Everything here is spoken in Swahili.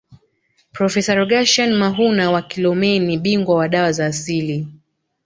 Profesa Rogasian Mahuna wa Kilomeni bingwa wa dawa za asili